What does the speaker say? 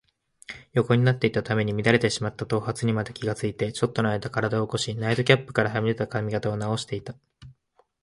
横になっていたために乱れてしまった頭髪にまで気がついて、ちょっとのあいだ身体を起こし、ナイトキャップからはみ出た髪形をなおしていた。